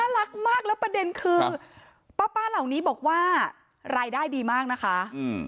รักมากแล้วประเด็นคือป้าป้าเหล่านี้บอกว่ารายได้ดีมากนะคะอืม